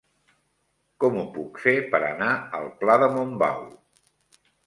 Com ho puc fer per anar al pla de Montbau?